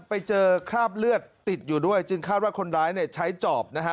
ไปเจอคราบเลือดติดอยู่ด้วยจึงคาดว่าคนร้ายเนี่ยใช้จอบนะฮะ